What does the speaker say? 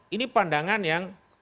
ini pandangan yang